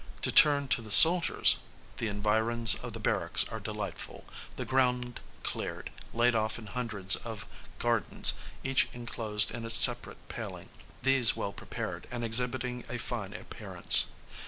To turn to the soldiers: the environs of the barracks are delightful, the ground cleared, laid off in hundreds of gardens, each enclosed in its separate paling; these well prepared, and exhibiting, a fine appearance.